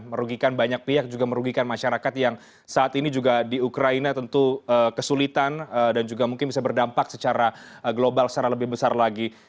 merugikan banyak pihak juga merugikan masyarakat yang saat ini juga di ukraina tentu kesulitan dan juga mungkin bisa berdampak secara global secara lebih besar lagi